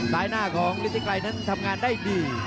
หน้าของฤทธิไกรนั้นทำงานได้ดี